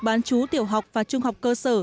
bán chú tiểu học và trung học cơ sở